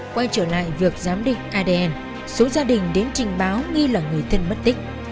quay trở lại việc giám định adn số gia đình đến trình báo nghi là người thân mất tích